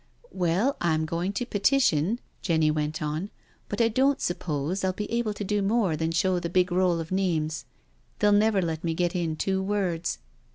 " Well, I'm going to petition," Jenny went on, " but I don't suppose I'll be able to do more than show the big roll of names — they'll never let me get in two words."